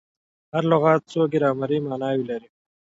هر لغت څو ګرامري ماناوي لري.